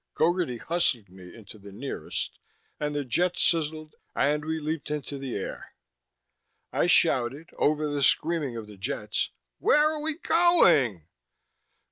Gogarty hustled me into the nearest and the jets sizzled and we leaped into the air. I shouted, over the screaming of the jets, "Where are we going?"